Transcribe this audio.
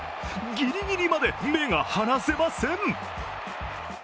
ギリギリまで目が離せません。